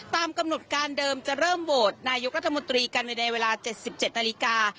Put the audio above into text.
ตามกำหนดการเดิมจะเริ่มโหวตนายกรัฐมนตรีกันในเวลา๗๗นาฬิกา